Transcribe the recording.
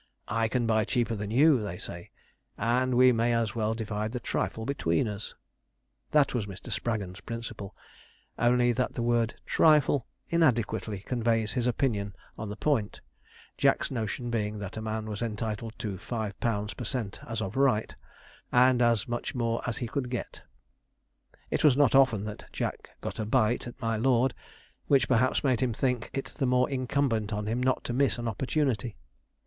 'I can buy cheaper than you,' they say, 'and we may as well divide the trifle between us.' That was Mr. Spraggon's principle, only that the word 'trifle' inadequately conveys his opinion on the point; Jack's notion being that a man was entitled to 5_l._ per cent. as of right, and as much more as he could get. It was not often that Jack got a 'bite' at my lord, which, perhaps, made him think it the more incumbent on him not to miss an opportunity.